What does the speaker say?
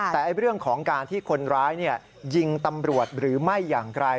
แต่เรื่องของการที่คนร้ายยิงตำรวจหรือไม่อย่างไร